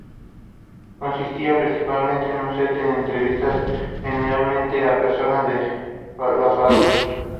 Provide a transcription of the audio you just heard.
Consistía principalmente en un set de entrevistas generalmente a personas de la farándula.